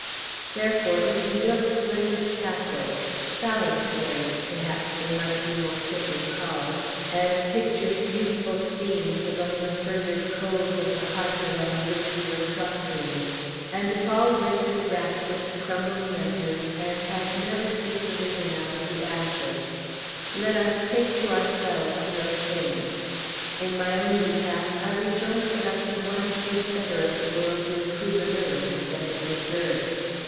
Therefore, if we built splendid castles (phalansteries perhaps they might be more fitly called), and pictured beautiful scenes, among the fervid coals of the hearth around which we were clustering, and if all went to rack with the crumbling embers and have never since arisen out of the ashes, let us take to ourselves no shame. In my own behalf, I rejoice that I could once think better of the world's improvability than it deserved.